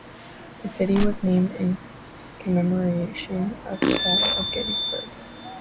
The city was named in commemoration of the Battle of Gettysburg.